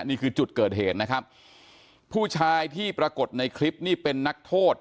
นี่คือจุดเกิดเหตุนะครับผู้ชายที่ปรากฏในคลิปนี่เป็นนักโทษ